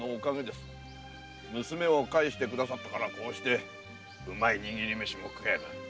娘を返してくださったからこうしてうまい握り飯も食える。